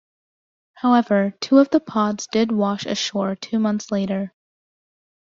However, two of the pods did wash ashore two months later.